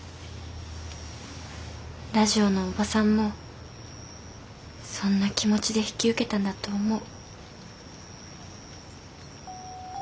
ラジオのおばさんもそんな気持ちで引き受けたんだと思う。